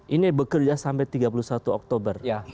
ini bekerja sampai tiga puluh satu oktober